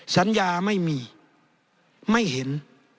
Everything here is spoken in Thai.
สัญญาไม่มีไม่เห็น